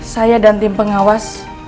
saya dan tim pengawas